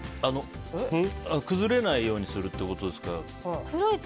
崩れないようにするってことですから。